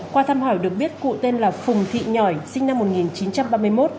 qua thăm hỏi được biết cụ tên là phùng thị nhỏi sinh năm một nghìn chín trăm ba mươi một